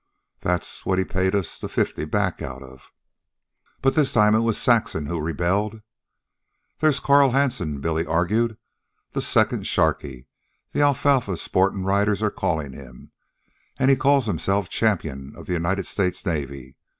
That's what ha paid us the fifty back out of." But this time it was Saxon who rebelled. "There's Carl Hansen," Billy argued. "The second Sharkey, the alfalfa sportin' writers are callin' him. An' he calls himself Champion of the United States Navy.